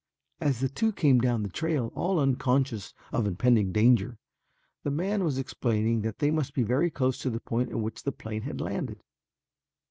As the two came down the trail all unconscious of impending danger, the man was explaining that they must be very close to the point at which the plane had landed.